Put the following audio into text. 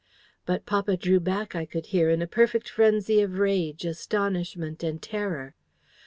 "But papa drew back, I could hear, in a perfect frenzy of rage, astonishment, and terror.